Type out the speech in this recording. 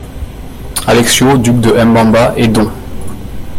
Alexio, duc de Mbamba, et Don.